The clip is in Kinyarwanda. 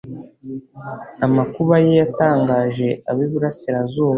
amakuba ye yatangaje ab'iburasirazuba